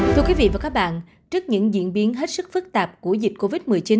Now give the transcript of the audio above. thưa quý vị và các bạn trước những diễn biến hết sức phức tạp của dịch covid một mươi chín